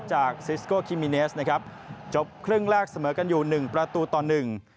จากซิสโกคิมิเนสนะครับจบครึ่งแรกเสมอกันอยู่หนึ่งประตูต่อหนึ่ง